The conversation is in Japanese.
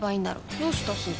どうしたすず？